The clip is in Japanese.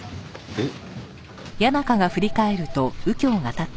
えっ？